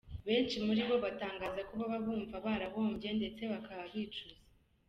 Benshi muri bo batangaza ko baba bumva barahombye ndetse bakaba bicuza.